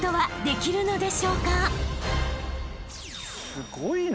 すごいね。